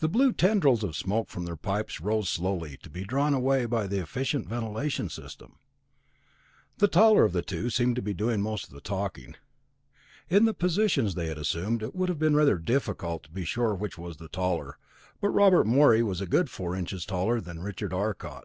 The blue tendrils of smoke from their pipes rose slowly, to be drawn away by the efficient ventilating system. The taller of the two seemed to be doing most of the talking. In the positions they had assumed it would have been rather difficult to be sure of which was the taller, but Robert Morey was a good four inches taller than Richard Arcot.